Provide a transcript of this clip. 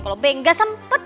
kalau bey gak sempet